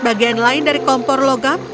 bagian lain dari kompor logam